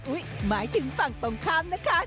หมายถึงฝั่งตรงข้ามนะคะ